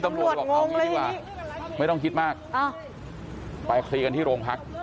ตำรวจงงเลยนี่พี่บอกเอางี้ดีกว่าไม่ต้องคิดมากไปคลีกันที่โรงพัก